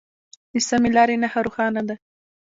د سمې لارې نښه روښانه ده.